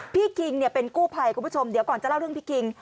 คิงเป็นกู้ภัยคุณผู้ชมเดี๋ยวก่อนจะเล่าเรื่องพี่คิง